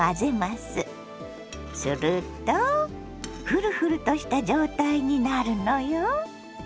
するとフルフルとした状態になるのよ！